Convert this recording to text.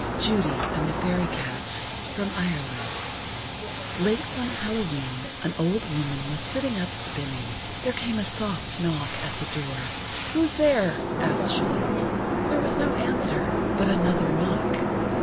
JUDY AND THE FAIRY CAT From Ireland Late one Hallowe'en an old woman was sitting up spinning. There came a soft knock at the door. "Who's there?" asked she. There was no answer, but another knock.